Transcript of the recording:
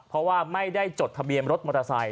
เพราะว่าไม่ได้จดทะเบียนรถมอเตอร์ไซค